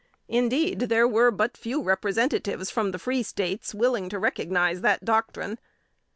Indeed, there were but few Representatives from the free States willing to recognize that doctrine.